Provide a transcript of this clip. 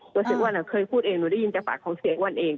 เสียอ้วนเคยพูดเองหนูได้ยินจากปากของเสียอ้วนเอง